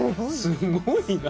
すごいな！